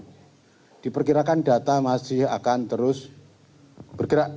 jadi diperkirakan data masih akan terus bergerak